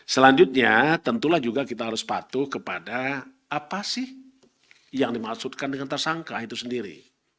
selanjutnya tentulah juga kita harus patuh kepada apa sih yang dimaksudkan dengan tersangka itu sendiri